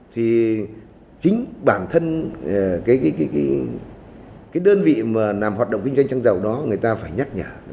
thì chính bản thân cái đơn vị mà làm hoạt động kinh doanh xăng dầu đó người ta phải nhắc nhở